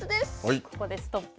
ここでストップ。